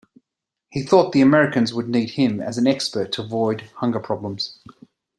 He thought the Americans would need him as an expert to avoid hunger problems.